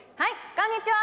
こんにちは。